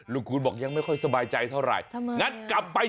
ลุงคูณบอกยังไม่ค่อยสบายใจเท่าไหร่